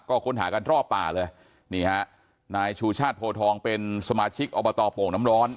ก็ค้นหากันรอบป่าเลยนี่ฮะนายชูชาติโพทองเป็นสมาชิกอบตโป่งน้ำร้อน